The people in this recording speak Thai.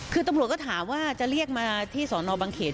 คือตำรวจก็ถามว่าจะเรียกมาที่สอนอบังเขต